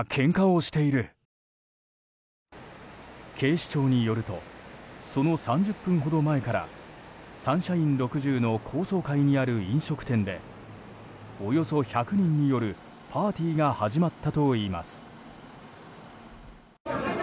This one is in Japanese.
警視庁によるとその３０分ほど前からサンシャイン６０の高層階にある飲食店でおよそ１００人によるパーティーが始まったといいます。